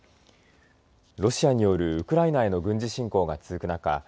ロシアによるウクライナへの軍事侵攻が続く中